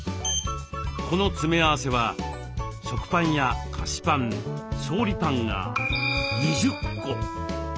この詰め合わせは食パンや菓子パン調理パンが２０個。